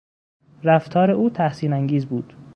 رفتار او تحسین انگیز بود.